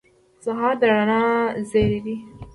سهار د رڼا زېری دی.